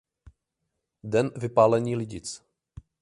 Den vypálení Lidic.